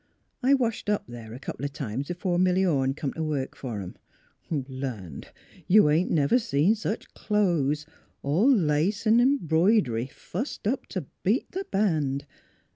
" I washed up there a couple o' times b'fore Milly Orne come t' work fer 'em. Land ! You never see secli clo'es, all lace an' 'mbroid'ry, fussed up t' beat th' band.